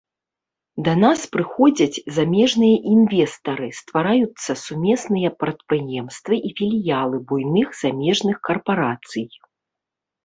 Да нас прыходзяць замежныя інвестары, ствараюцца сумесныя прадпрыемствы і філіялы буйных замежных карпарацый.